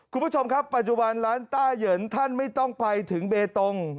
คุณผู้ชมครับปัจจุบันร้านต้าเหยินท่านไม่ต้องไปถึงเบตง